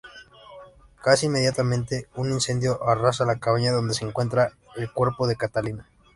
Casi inmediatamente un incendio arrasa la cabaña donde se encuentra el cuerpo de Catalina.